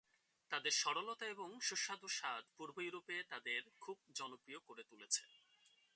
তাদের সরলতা এবং সুস্বাদু স্বাদ পূর্ব ইউরোপে তাদের খুব জনপ্রিয় করে তুলেছে।